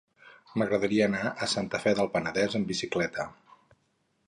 M'agradaria anar a Santa Fe del Penedès amb bicicleta.